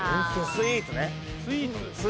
スイーツ。